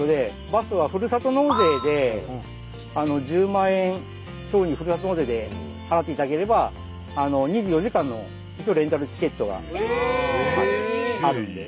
バスはふるさと納税で１０万円町にふるさと納税で払っていただければ２４時間のレンタルチケットがあるんで。